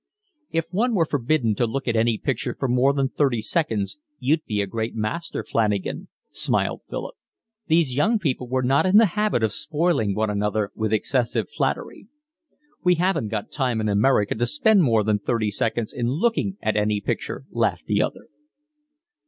"If one were forbidden to look at any picture for more than thirty seconds you'd be a great master, Flanagan," smiled Philip. These young people were not in the habit of spoiling one another with excessive flattery. "We haven't got time in America to spend more than thirty seconds in looking at any picture," laughed the other.